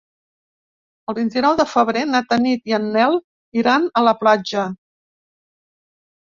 El vint-i-nou de febrer na Tanit i en Nel iran a la platja.